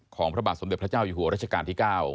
พระบาทสมเด็จพระเจ้าอยู่หัวรัชกาลที่๙